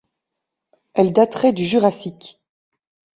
Elle daterait du jurassique.